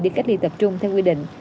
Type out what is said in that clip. đi cách ly tập trung theo quy định